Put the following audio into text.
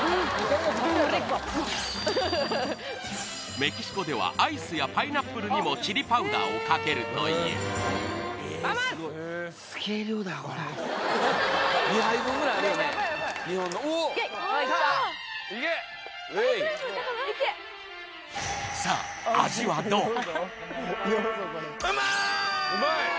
メキシコではアイスやパイナップルにもチリパウダーをかけるというさあ味はどうか？